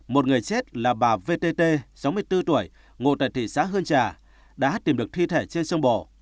một người chết là bà vtt sáu mươi bốn tuổi ngụ tại thị xã hương trà đã tìm được thi thể trên sông bồ